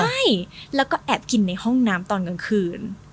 ใช่แล้วก็แอบกินในห้องน้ำตอนกลางคืน